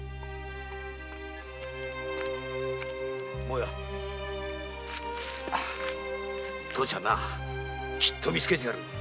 坊や父ちゃんはきっと見つけてやるから。